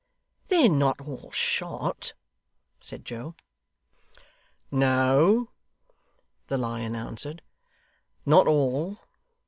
'They're not all shot,' said Joe. 'No,' the Lion answered, 'not all.